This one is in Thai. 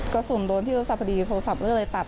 กระสุนโดนที่โทรศัพท์พอดีโทรศัพท์ก็เลยตัด